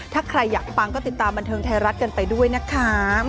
ถ้าใครอยากฟังก็ติดตามบันเทิงไทยรัฐกันไปด้วยนะคะ